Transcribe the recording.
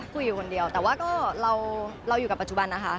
คุยอยู่คนเดียวแต่ว่าก็เราอยู่กับปัจจุบันนะคะ